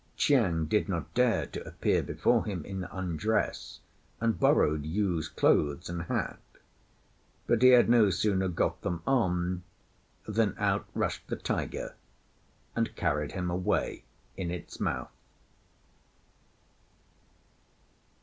Chiang did not dare to appear before him in undress, and borrowed Yu's clothes and hat; but he had no sooner got them on than out rushed the tiger and carried him away in its mouth.